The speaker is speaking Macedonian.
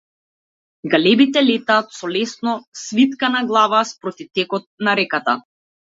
Галебите летаат со лесно свиткана глава спроти текот на реката.